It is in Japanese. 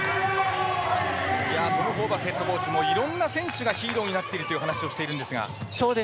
このホーバスヘッドコーチもいろんな選手がヒーローになっているという話をしているんですが。